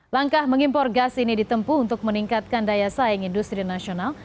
langkah mengimpor gas ini ditempu untuk meningkatkan daya saing industri nasional